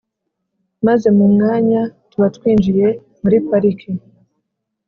maze mu mwanya tuba twinjiye muri Pariki.